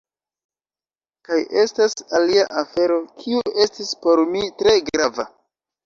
Kaj estas alia afero kiu estis por mi tre grava.